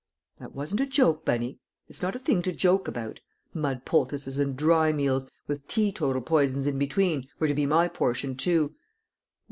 That wasn't a joke, Bunny; it's not a thing to joke about; mud poultices and dry meals, with teetotal poisons in between, were to be my portion too.